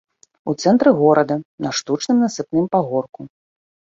У цэнтры горада, на штучным насыпным пагорку.